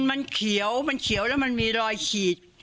มันเขียวมันเขียวแล้วมันมีรอยขีด